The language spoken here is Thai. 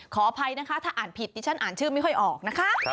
ขออภัยนะคะถ้าอ่านผิดดิฉันอ่านชื่อไม่ค่อยออกนะคะ